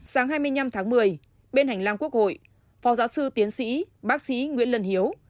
sáng hai mươi năm tháng một mươi bên hành lang quốc hội phó giáo sư tiến sĩ bác sĩ nguyễn lân hiếu